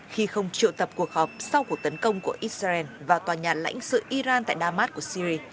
khi không triệu tập cuộc họp sau cuộc tấn công của israel vào tòa nhà lãnh sự iran tại damas của syri